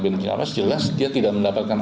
berhenti nafas jelas dia tidak mendapatkan